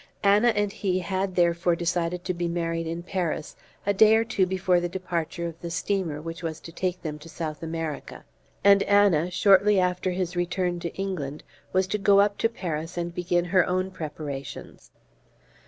Anna and he had therefore decided to be married, in Paris, a day or two before the departure of the steamer which was to take them to South America; and Anna, shortly after his return to England, was to go up to Paris and begin her own preparations.